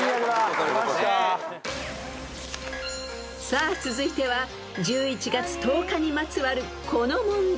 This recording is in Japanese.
［さあ続いては１１月１０日にまつわるこの問題］